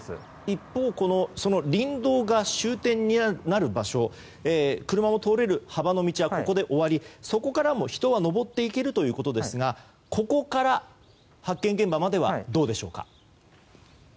一方、林道が終点になる場所車も通れる幅の道はそこで終わりそこからも人は登っていけるということですがここから発見現場まではどうでしょうか？